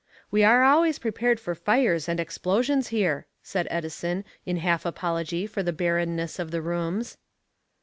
"We are always prepared for fires and explosions here," said Edison in half apology for the barrenness of the rooms.